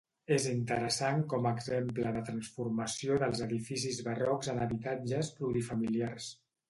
És interessant com a exemple de transformació dels edificis barrocs en habitatges plurifamiliars.